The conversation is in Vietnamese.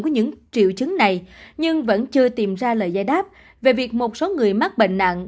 những triệu chứng này nhưng vẫn chưa tìm ra lời giải đáp về việc một số người mắc bệnh nặng